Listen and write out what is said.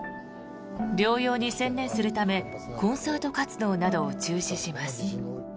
療養に専念するためコンサート活動などを中止します。